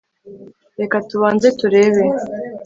reka tubanze turebe